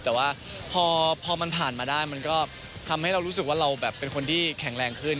แต่ว่าพอมันผ่านมาได้มันก็ทำให้เรารู้สึกว่าเราแบบเป็นคนที่แข็งแรงขึ้น